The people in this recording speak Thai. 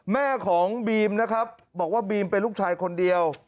แม่ของบีมนะครับบอกว่าบีมเป็นลูกชายคนเดียว